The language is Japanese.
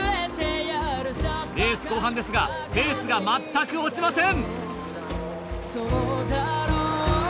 レース後半ですが、ペースが全く落ちません。